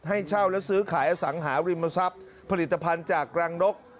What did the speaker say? ให้เช่าและซื้อขายอสังหาริมทรัพย์ผลิตภัณฑ์จากรังนก